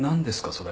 それ。